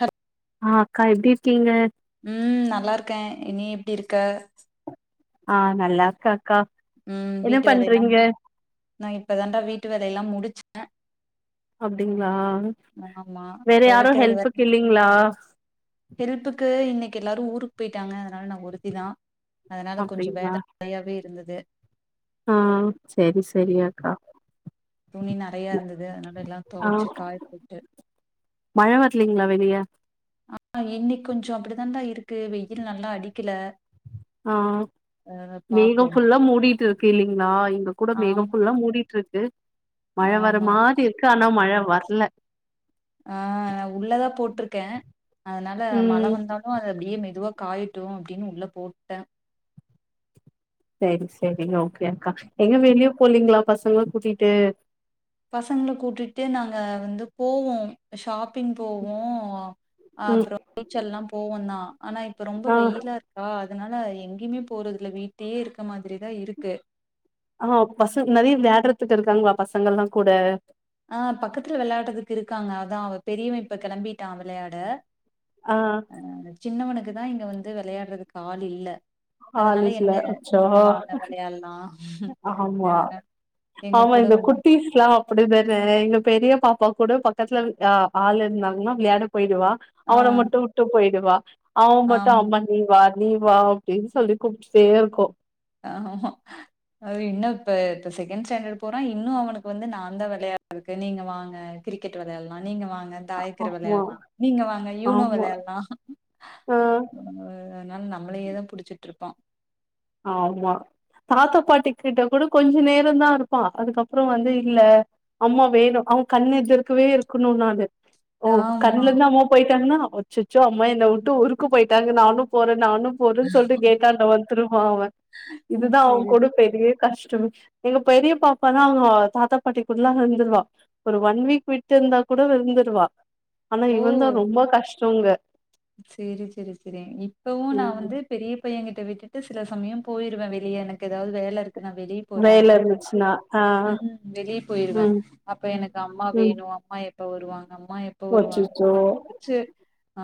ஹ ஆ அக்கா எப்டி இருக்கீங்க ம் நல்லா இருக்க நீ எப்டி இருக்க ஆ நல்லா இருக்க ம் வீட்டு வேலை லா நா இப்பதான்டா வீட்டு வேலை லா முடிச் அ அப்டிங்களா ஆமா வேற யாரு தொவைக்கிறது வேற ஹெல்ப்புக்கு இல்லீங்களா ஹெல்ப்புக்கு இன்னைக் கி எல்லாரு ஊருக்கு போயிட்டாங்க அதனால நா ஒருத்தி தா அதனால கொஞ்சம் அப்டிங்களா வேல நறையாவே இருந்தது து ஆ செரி செரி அக்கா துணி நறைய இருந்தது அதனால எல்லா ஆ தொவச்சி காய போட்டு மழ வரலீங்களா வெளிய ஆ இன்னைக் கொஞ்ச அப்டித்தான்டா இருக்கு வெயில் நல்லா அடிக்கல ஆ அ மேகம் பாப்போம். ஃபுல்லா மூடிட்டு இருக் கு இல்லீங்களா இங்க கூட மேகம் ஆமா, ஃபுல்ல மூடிட்டு இருக்கு மழ வர ஆமா. மாதிரி இருக்கு ஆனா மழ வரல ஆ நா உள்ளதா போட்டிருக்கே அதனால மழ ம் வந்தாலு அது அப்டியே மெதுவா காயிட்டு அப்படின்னு உள்ள போட்ட சேரி சேரி ஓகே அக்கா எங்க வெளியு புள்ளங்களா பசங்களா கூட்டிட்டு பசங்கள கூட்டிட்டு நாங்க வந்து போவோ ஷாப் பின் போவோ ம் அப்றோ பேச்செல்லா போவோ தா ஆனா இப்ப ரொம்ப ஆ வெயிலா இருக்கா அதனால எங்கயுமே போறதுல வீட்டயே இருக்க மாதிரிதா இருக்கு ஆ பச நெறைய விளாயடறதுக்கு இருக்காங்கப்பா பசங்கள்ல்லா கூட ஆ பக்கத்துல வெளாட்றதுக்கு இருக்காங்க அதா அவ பெரியவ இப்ப கெளம்பிட்டான் விளையாட ஆ அ சின்னவனுக்கு இதுதா இங்க வந்து வெளையாடறதுக்கு ஆள் இல்ல அதனால என்ன காலேஜ்ல நீங்க அச்சோ வாங்க வெளையால்லா ஆமா ஆமா கூட இந்த வந்து குட்டிஸ் எல்லா அப்டித ல எங்க பெரிய பாப்பா கூட பக்கத்துல ஆள் இருந்தாங்கன்னா விளையாட போயிடுவா ஆ அவன மட்டு விட்டு போயி இவ அவ மட்டு ஆமா அம்மா நீ வா நீ வா அப்டின்னு சொல்லி கூப்டுட்டே இருக்கோ ஆ இன்னு இப்ப இப்ப செகண்ட் ஸ்டாண்டர்ட் போறா இன்னு அவனுக்கு வந்து நா தா வெளையாட இருக்கு நீங்க வாங்க கிரிக்கெட் வெளையாடல்லா நீங்க வாங்க தாயக்கர் ஆமா வெளையாடலா நீங்க வாங்க யூனோ ஆமா வெளையாடலா ஆ அதனால நம்மளையே தா புடிச்சிட்ருப்பா ஆமா தாத்தா பாட்டி கிட்ட கூட கொஞ்ச நேரந்தா இருப்பா அதுக்கப்புற வந்து இல்ல அம்மா வேணு அவ கண்னெதிர்க்கவே இருக்கணு நானு ஓ ஆமா. கண்ணல இருந்து அம்மா போயிட்டாங்கனா அச்சச்சோ அம்மா என்ன விட்டு ஊருக்கு போயிட்டாங்க நானு போறே நானு போதுன்னு சொல்லிட்டு கேட்டான்ட வந்துரும் [unintelligible] ம். இதுதா அவங்க சரி. கூட பெரிய கஷ்டம் எங்க பெரிய பாப்பா தான் அவங்க தாத்தா பாட்டிக்குடல்லா இருந்துடுவா ஒரு ஒன் வீக் விட்டுருந்தா கூட இருந்துடுவா ஆனா இவ தா ரொம்ப கஷ் சொங்க செரி செரி செரி இப்பவு நா ம் வந்து பெரிய பையன் கிட்ட விட்டு த்து சில சமயம் போயிருவே வெளியே எனக்கு ஏதாவது வேலை இருக் க்கு நா வெளியே போறே வேல அப்டின்னு சொல்லிட்டு இருந்துச்சுன்னா ஆ ம் வெளியே போயிருவே ம் அப்ப எனக்கு அம்மா ம் வேணு அம்மா எ அப்ப வருவாங் அம்மா எப்ப வருவாங்கன்ன அச்சச்சோ அவன புடிச்சு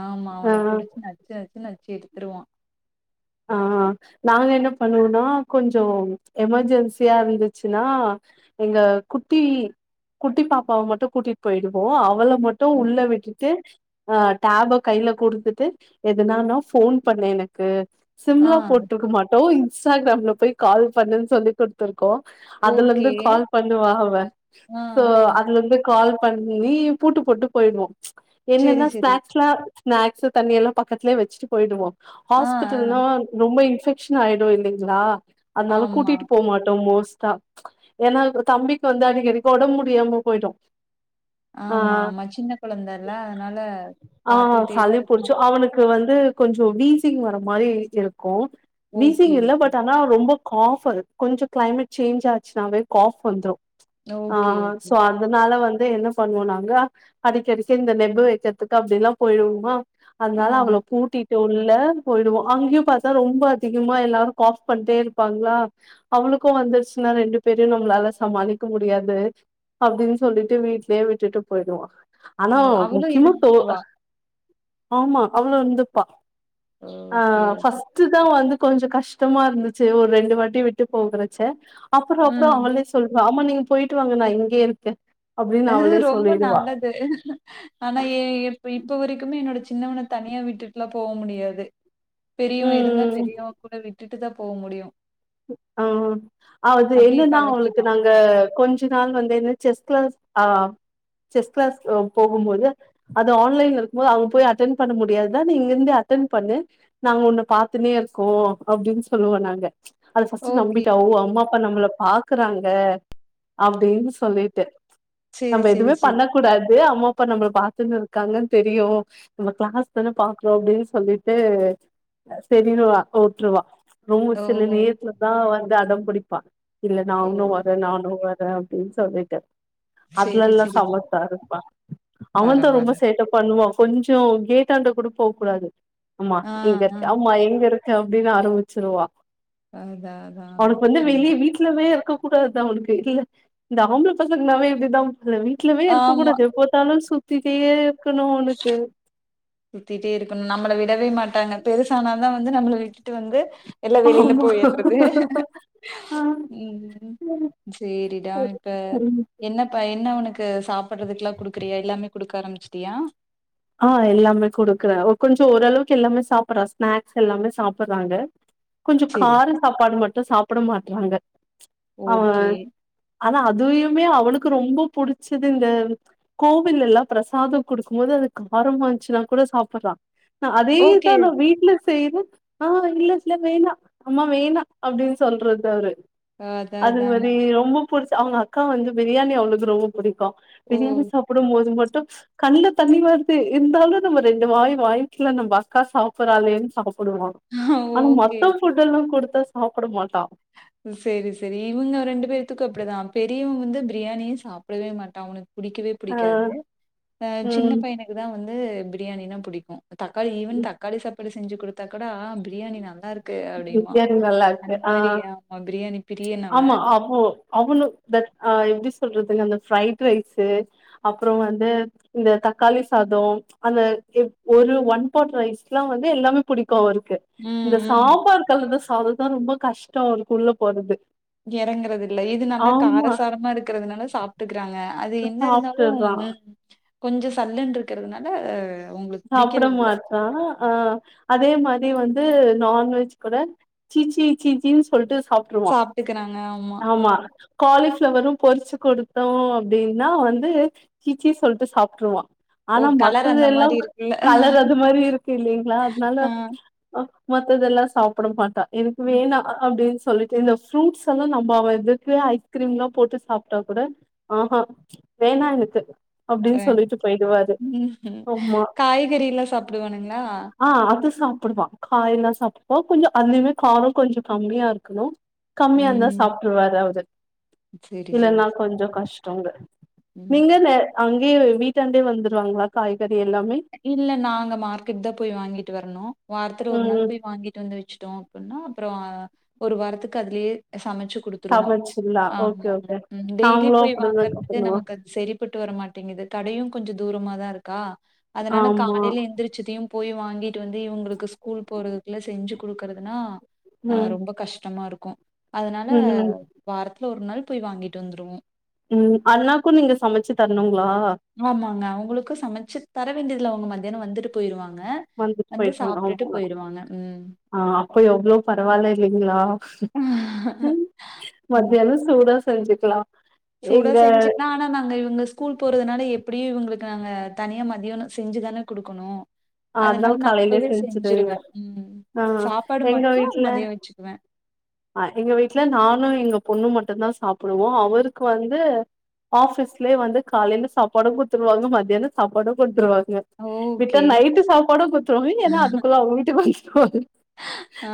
ஆமா ஆ அவன புடிச்சு நச்ச நச்சி நச்சி எடுத்துருவா ஆ நாங்க என்ன பண்ணுவோம்னா கொஞ்சம் எமெர்ஜென்சியா இருந்துச்சுன்னா எங்க குட்டி குட்டி பாப்பாவ மட்டூ கூட்டிட்டு போயிடுவோ அவள மட்டு உள்ள விட்டுட்டு அ டேப் கையில குடுத்துட்டு எதனாலு போன் பண்ணு எனக்கு சிம் ஆ லா போட்டுருக்க மாட்டோ இன்ஸ்டாகிராம்ல போய் கால் பண்ணுன்னு சொல்லி குடுத்துருக் க்கோ அதுல ஓகே. இருந்து கால் பண்ணுவா அவ ஆ, சோ ஆ. அதுலந்து கால் பண்ணி பூட்டு போட்டு போயிடுவோ சரி, என்னென்ன சரி. ஸ்நாக்ஸ் லா ஸ்நாக்ஸ் தண்ணி எல்லா பக்கத்துலயே வச்சிட்டு போயிடுவோ ஆ, ஹாஸ்பிட் அதல்லா ஆ. ரொம்ப இ ன்ஃபெக்சன் ஆயிடு இல்லிங்களா அதனால ஆமா, கூட்டிட்டு போமாட்டோ மோஸ் த ஏன்னா அது தம்பிக்கு வந்து அடிக்கடிக்கு ஒடம்பு முடியாம போய்டு ஆமா ஆமா சின்ன குழந்தல்ல அதனால பாத்துக்கிட்டே தா இருக்குணு து கொஞ்சோ விசிங் வர மாரி இருக்கு ஓகே, வீசிங் இல்ல ஓகே. பட் ஆனா ரொம்ப காஃப் அது கொஞ்ச கிளைமேட் சேஞ்ச் ஆச்சுனாவே காஃப் வந்துரு ஆ ஓகே, ஓகே. சோ அதனால வந் து என்ன பண்ணுவோ நாங்க அடிக்க அடிக்க இந்த நெம்பு வைக்கிறதுக்கு அப்டிலா போயிடுவோமா ஆ. அதனால அவ்ளோ பூட்டி ட்டு உள்ள போயிடுவோ அங்கியு பாத்தா ரொம்ப அதிகமா எல்லாரு காஃப் பண்ணிட்டே இருப்பாங்ளா அவளுக்கு வந்துருச்சின்னா ரெண்டு பேரையு நம்ளால சமாளிக்க முடியாது அப்டின்னு சொல்லிட்டு வீட்லேயே விட்டுட்டு போயிடுவோ ஓ ஆனா அவளும் முக்கியமா டோ இருந்துக்குவா. ஆமா அவ்ளு இருந்துப்பா ஆ ஓகே, ஓகே. ஃபர்ஸ்ட் தா வந்து கொஞ்ச கஷ்டமா இருந்துச்சி ஒரு ரெண்டு வாட்டி விட்டு போகுறச்ச அப்றோ அப்றோ ம். அவளே சொல்றா அம்மா நீங்க போயிட்டு வாங்க நா இங்கேயே இருக்க ரொம்ப நல்லது ஆனா எ இப்ப வரைக்குமே என்னோட சின்னவன்ன தனியா விட்டுட்டுலா போவ முடியாது பெரியவ இருந்தா ம் பெரியவ கூட விட்டு ட்டு தா போ முடியு ஆ அது அப்டியே என்னனா அவளுக்கு பழகிட்டான். நாங்க கொஞ்ச நாள் வந்து என்ன செஸ் கிளாஸ் ஆ செஸ் கிளாஸ் போகும்போது அது ஆன்லைன்ல இருக்கும்போது அவங்க போய் அட்டன் பண்ண முடியாதுடா நீ இங்கருந்தே அட்டன் பண்ணு நாங்க ஒன்ன பாத்துன்னே இருக்கோ அப்டின்னு சொல்லுவோ நாங்க அத ஃபர்ஸ்ட் ஓகே. நம்பிட்டா ஓ அம்மா அப்பா நம்பள பாக்குறாங்க அப்டின்னு சொல்லிட்டு சரி, நம்ம சரி, எதுமே சரி. பண்ண கூடாது அம்மா அப்பா நம்பள பாத்துன்னு இருக்காங்கனு தெரியு நம்ம கிளாஸ் தான பாக்குறோ அப்டின்னு சொல்லிட்டு செரின்னுவா வுட்ருவா ஓ சில நேரத்துல தா அவ அடம் புடிப்பா இல்ல ஓ நானு வர நானு வ ர அப்டின்னு சொல்லிட்டு சேரி அத்லெல்லா சேரி சமத்தா இருப்பா அவந்தா ரொம்ப பரவால்ல சேட்டப் பண்ணுவா கொஞ்சோ கேட்டாண்ட கூட போ கூடாது அம்மா ஆ எங்க ஆ இருக் அம்மா எங்க இருக் அப்டின் ஆரம்பிச்சிருவா அதா அதா அதா அவனுக்கு வந்து வெளி ம் வீட்லவே இருக்க கூடாது அவனுக்கு இல்ல இந்த ஆம்ப்ள பசங்க நாவே இப்டிதா ல வீட்லவே இருக்க ஆமா கூடாது எப் பாத்தாலு சுத் திட்டே இருக்கனு அவுனுக்கு சுத்திட்டே இருக்கன் நம்மள விடவே மாட்டாங்க பெருசானாதா வந்து நம்பள விட்டுட்டு வந்து எல்லா வெளில ஆமா போய் ஏக்றது ஆ ம் ம் சேரிடா சரி இப்ப சரி ம் என்னப என்ன உனக் கு சாப்பட்டுறதுக்கெல்லா குடுக்குறியா எல்லாமே குடுக்க ஆரம்பிச்சிட்டியா அ எல்லாமே குடுக்குறே ஒ கொஞ்சோ ஒரளவுக்கு எல்லாமே சாப்புற ஸ்நாக்ஸ் எல்லாமே சாப்புறாங்க கொஞ்சோ சேரி கார சாப்பாடு மட்டு சாப் புட மாட்றாங்க அவ ஓகே ஆனா அதுயுமே அவளுக்கு ரொம்ப புடிச்சது இந்த கோவிலெல்லா ப்ரசாதோ குடுக்கும் போது அது காரமான்ச்சுனா கூட சாப்புற்றா அதேதா ஓகே நா வீட்ல செய்வ ஆ இல்ல இல்ல வேணா அம்மா வேணா அப்டினு சொல்றது அவுரு அதா அது அதா மாரி ரொம்போ புடிச்சு அவங்க அக்கா வந்து பிரியாணி அவுளுக்கு ரொம்ப புடிக் கோ ஓ பிரியாணி சாப்புடும் போது மட் கண்ல தண்ணி வ இர்ந்தாலு நம்ம ரெண்டு வாய் வாய்ங்கில நம்ம அக்கா சாப்பறலேன்னு சாப் [unintelligible] ஆனா ஓகே மத்த ஃபுட் எல்லாம் குடுத்தா சா ப்பட மாட்டா செரி சீரி இவுங்க ரெண்டு பேர்த்துக்கு அப்டிதா பெரியவ வந்து ப்ரியாணியே சாப்டவே மாட்டா அவ்னுக்கு புடிக்கவே ஆ புிடிக்காது அ சின்ன ம் பைனுக்கு தா வந் வந்து பிரியாணினா புடிக்கு தக்காளி ஈவன் தக்காளி சாப்பாடு செஞ்சு குடுத்தா கூட பிரியாணி நல்லாருக் [inaudible] அ ச்ச் ஆமா பிரியாணி பிரியனவன். ஆமா அப்போ அவனுக் த் அ எப்டி சொ ல்றது அந்த ஃப்ரைட் ரைசு அப்புறோ வந்து இந்த தக்காளி சாதோ ச்ச் அந்த ஒரு ஒன் பாட் ரைஸ்லா வந்து எல்லாமே புடிக்கு அவுருக் ம் ம். [unintelligible] அதுதா ரொம்போ கஷ்டோ உள்ள போறது எறங்குறது இல்ல இது நல்லா ஆமா காரசாரமா இருக்கறதுனால சாப்டுக்குறாங்க அது என்ன இருந்தாலு சாப்ட்டுர்றா ம் கொஞ்சு சல்லுன்ருக்கறதுனால சாப்பிட மாட்டா அ அதே மா ரி வந்து நான்வெஜ் கூட சீச்சீ சீச்சீன் சொல்ட்டு சாப்ட்ருவா சாப்ட்டுக்கிறாங்க. அ. ஆமா காலீஃப் ஃப்ளவரு பொறிச்சு கொடுத்தோ அப்டினா வந்து சீச்சி சொல்ட்டு சாப்ட்டுருவா ஓ! ஆனா கலர் மத்தது அந்த எல்லா மாரி இருக்குல்ல. கலர் அது மாரி இருக்கு இல்லிங்ளா அத்னால ஆ. மத்த இதெல்லா சாப்புட மாட்டா எனக்கு வேணா அ அப்டின் சொல்லிட்டு இந்த ஃப்ரூட்ஸ் எல்லா நம்போ அவ எதுக்வே ஐஸ்கிரீம் லா போட்டு சாப்ட்டா கூட அ அ ச்ச் வேணா எனக்கு அ. அப்டின் சொல்லிட்டு போய்டுவாரு ஆமா கறி எல்லா சாப்டுவானுங்ளா ஆ அது சாப்புடுவா காயெல்லா சாப்புடுவா கொஞ்சோ அதுவே கார கொஞ்சு கம்மியா இருக்கனு கம்மியா இருந்தா ம். சாப்ட்ருவாரு அவுரு சரி, சரி, இல்லன்னா சரி. கொஞ்சோ கஷ்டங்க ம். நீங்க [unintelligible] அங் [unintelligible] வீட்டாண்டே வந்துருவாங்ளா காய்கறி எல்லாமே இல்ல நாங்க மார்க்கெட் தா போய் வாங்கிட்டு வரனோ. வாரத்துல ஒரு நாள் ம் போய் வாங்கிட் வந்து வெச்சு டோ அப்பின்னா அப்றொ ஒரு வாரத்துக்கு அதுலியே ச சமச்சு குடுத்துருவோ. சமைச்சில்லா ஓகே ஆமாமா ஓகே ம் டெய்லி நாங்களு போய் அப்படிதாக்கா வாங்கறக்கு பண்ணுவோ நமக்கு அது செரிப்பட்டு வரமாட்டேங்கிது. கடையு கொஞ்சு தூரமா தா இருக்கா அதனால ஆமா காலைல எந்த்ரிச்சி இதியு போய் வாங்கிட்டு வந்து இவுங்ளுக் ஸ்கூல் போறதுக்குள்ள செஞ்சு குடுக்கறதுனா அ ம் ரொம்ப கஷ்டமா இருக் அதனால ம் ம் வாரத் கல ஒரு நாள் போய் வாங்கிட் வந்ருவோ. ம் அண்ணாக்கு நீங்க சமச்சி தர்னு ஆமாங்க அவுங்களுக்கு சமச்சி தர வேண்டிதி ல்ல‌ அவுங்க மதியானோ வந்துட்டு போய்ருவாங் வந்துட் போய்ருவாங்க அவங்க ம். ஆ அப்போ எவ்ளோ பரவலா இல்லைங்களா உம் ம். மத்யானொ சோர் தா செஞ்சுக்லா சூடா செஞ்சுக்லா. ஆனா நாங்க இவங்க ஸ்கூல் போறதுனால எப் எப்டியு இவங்ளுக்கு நாங்க தனியா மத்தியானொ செஞ்சு தான குடுக்கணு. அதனால காலையிலயே செஞ்சிக்குவீங்க. ம். ஆ சாப்பாடு எங்க மட்டும் வீட்ல மதியம் வச்சுக்குவேன். ஆ எங்க வீட்டுல நானு எங்க பொண்ணு மட்டுந்தா சாப்டுவோ. அவருக்கு வந்து ஆஃபீஸ்லயே வந்து காலைல சாப்பாடு குடுத்துருவாங்க, மத்தியான சாப்பாடு குடுத்துருவாங்க. விட்டா ஓகே. நைட்டு சாப்பாடு குடுத்துருவாங்க. நீங்க என்ன அதுக்குள்ள அவங்க வீட்டுக்கு வந் [unintelligible] ஆ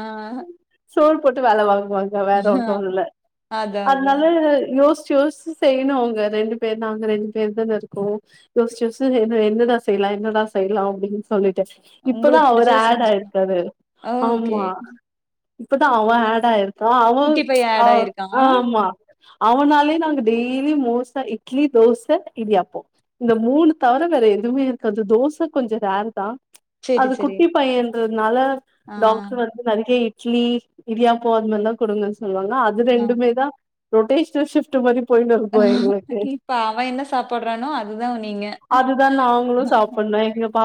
சோறு போட் வேல வாங் வாங்க வேற ஒண்ணு இல்ல. அதான், அதனால அதான். யோசிக் யோசிச்சி செய்யணு அவங்க ரெண்டு பேரு நாங்க ரெண்டு பேரு தான இருக்கோ. யோசிச்சி என்னடா செய்யலா என்னடா செய்யலா அப்டின் சொல்லி இப்ப தா உங்களுக்கு அவரு பிடிச்சத ஆட் செஞ்சுக்கலாம். ஆய்ருக்காரு ஓகே. ஆமா. இப்ப தா அவ ஆட் ஆய்ருக் ஆ அவ குட்டி பையன் ஆ ஆட் ஆயிருக்கான். ஆமா அவனாலேயே நாங்க டெய்லி மோச இட்லி தோச இடியாப்பம். இந்த மூணு தவிர வேற எதுவுமே இருக்காது. தோச கொஞ்சொ ரர் தா சரி, அது சரி. குட்டி பையன்றதுனால ஆ, டாக்டர் வந்து நெறையெ இட்லி இடியாப்போ அது மாரிலா குடுங்க சொல்லுவாங்க அது ஆ. ரெண்டுமே தா ரொட்டேஷனல் ஷிபிட் மாரி போயினு இருக்கு எங்களுக்கு இப்ப அவ என்ன சாபிட்ரானோ அது தா நீங்க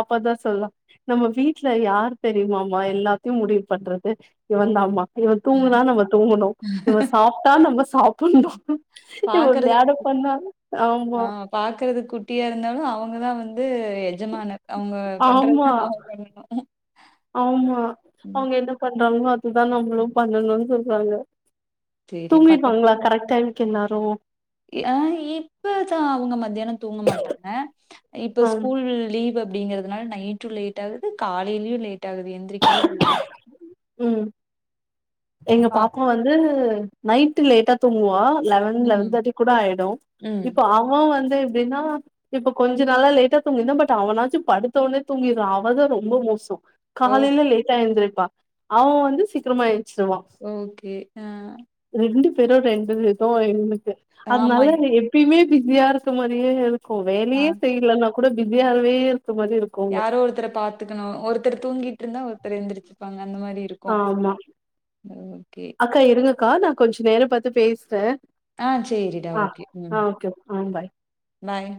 அப்பதா சொல்ல நம்ம வீட்ல யார் தெரியும்மா எல்லாத்தையு முடிவு பண்றது இவன்ந்தாம்மா இவ தூங்கினா நம்ம தூங்கணு இவ சாப்பிட்டா நம்ம சாப்பிடணு இவ பாக்குறது வியாலா பண்ணா ஆமா ஆ து எஜமானர் அவங்க ஆமா பண்றதுதான் நாம பண்ணணும். ஆமா ம். அவங்க எந்த பத் பன்னரங்காலோ அது தா நம்மலு பண்ணனு சொல்லுறாங்க சரி பக்கத்துல தூங்கிப்பாங்களா கரெக்ட் டைம் எல்லாரு ஆ இப்பதா அவங்க மத்தியான தூங்க மாட்டாங்க இப்ப ஆ ஸ்கூல் லீவ் அப்படிங்கறத அதனால நைட்டு லேட் ஆகுது காலையிலயு லேட் ஆகுது எந்திரக் ஊறுனுட்டு விட்டாங்க ம் எங்க பாப்பா வந்து நைட் லேட்டா தூங்குவா லெவன் லெவன் ம். தேர்ட்டி கூட ஆயிடு ம். இப்ப அவன் வந் து எப்டின்னா இப்ப கொஞ்ச நாளா லேட்டா தூங்கிருந்தா பட் அவனாச்சு படுத்த ஒன்னே தூங்கிர்றான் அவதா ரொம்போ மோசோ ஓ காலைல லேட்டா எந்திரி பா அவன் வந்து சீக்கிரமா எந்திச்சிருவா ஓகே ஆ பேறு ரெண்டு வேத்தோ எழுந்தி அது ஆமா. நாள நா எப்யுமே பிஸியா இருக்க மாரியே ஓ ஆ வேலையே செய்யலனா கூட பிஸியாவே மாரி இருக்குங்க யாரோ ஒருத்தர பாத்துக்கணு ஒருத்தர் தூங்கிட்டு இருந்தா ஒருத்தர் எந்திரிச்சு அந்த மாரி இருக்கு ஆமா ம் அக்கா இருங்கக்கா நா கொஞ்சோ நேரோ பத் து பேசுறேன் ஆ சேரிடா ஓகே ம் ஆ பாய் பாய்